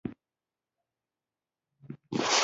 چې د ختيځ د پولادو ستر صنعتکاران ستړي نه شي.